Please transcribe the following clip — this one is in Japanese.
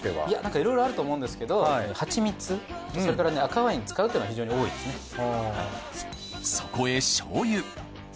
いやなんかいろいろあると思うんですけどはちみつそれからね赤ワイン使うってのは非常に多いですね。